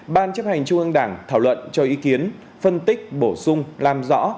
ban chấp hành trung ương đảng thảo luận cho ý kiến phân tích bổ sung làm rõ